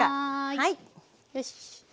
はいよしっ。